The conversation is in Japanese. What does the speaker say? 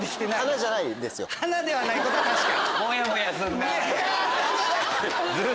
「花」ではないことは確か？